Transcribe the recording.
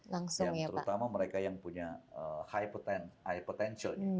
terutama mereka yang punya high potential